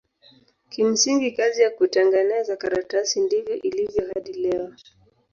Kimsingi kazi ya kutengeneza karatasi ndivyo ilivyo hadi leo.